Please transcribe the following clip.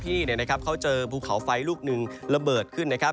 ที่เขาเจอภูเขาไฟลูกหนึ่งระเบิดขึ้นนะครับ